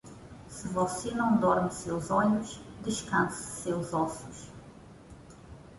Se você não dorme seus olhos, descanse seus ossos.